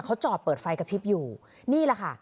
เขาจอดเปิดไฟกระพริบอยู่นี่แหละค่ะ